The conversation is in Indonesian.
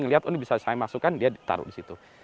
melihat oh ini bisa saya masukkan dia ditaruh di situ